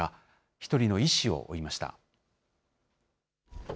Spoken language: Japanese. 一人の医師を追いました。